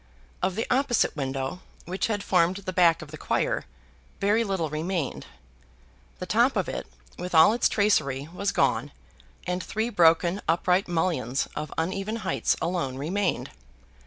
Of the opposite window, which had formed the back of the choir, very little remained. The top of it, with all its tracery, was gone, and three broken upright mullions of uneven heights alone remained.